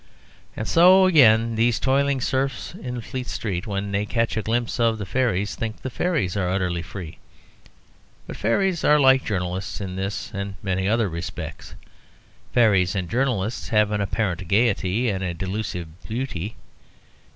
And so again these toiling serfs in Fleet Street, when they catch a glimpse of the fairies, think the fairies are utterly free. But fairies are like journalists in this and many other respects. Fairies and journalists have an apparent gaiety and a delusive beauty.